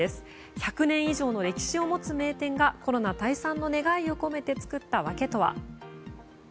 １００年以上の歴史を持つ名店がコロナ退散の願いを込めて作った訳とは。